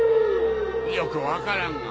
よく分からんが。